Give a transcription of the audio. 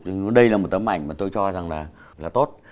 đây là một tấm ảnh mà tôi cho rằng là tốt